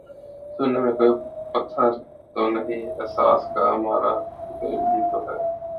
سینے میں کوئی پتھر تو نہیں احساس کا مارا، دل ہی تو ہے